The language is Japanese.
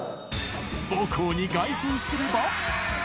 母校に凱旋すれば。